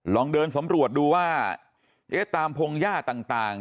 ลองเดินสำรวจดูว่าเอ๊ะตามพงหญ้าต่าง